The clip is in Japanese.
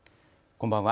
こんばんは。